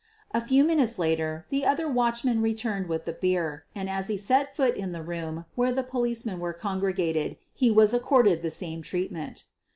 A few minutes later the other watchman returned l with the beer, and as he set foot in the room where the policemen were congregated he was accorded the same treatment.